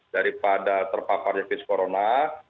daripada terpaparnya vaksinasi